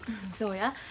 そうや。